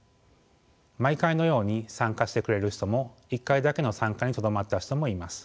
毎回のように参加してくれる人も１回だけの参加にとどまった人もいます。